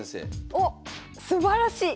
おっすばらしい！